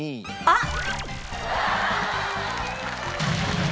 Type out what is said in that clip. あっ！